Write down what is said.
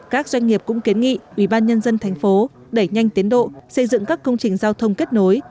các doanh nghiệp cũng kiến nghị ubnd tp đẩy nhanh tiến độ xây dựng các công trình giao thông kết nối